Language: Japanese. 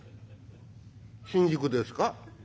「新宿ですか？